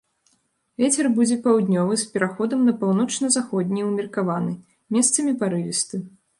Вецер будзе паўднёвы з пераходам на паўночна-заходні ўмеркаваны, месцамі парывісты.